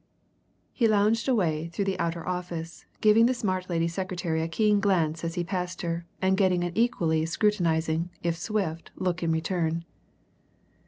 He lounged away through the outer office, giving the smart lady secretary a keen glance as he passed her and getting an equally scrutinizing, if swift, look in return.